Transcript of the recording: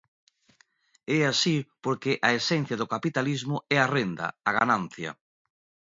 E é así porque a esencia do capitalismo é a renda, a ganancia.